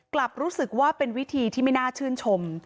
กลับรู้สึกว่าเป็นวิธีที่ไม่น่าชื่นชม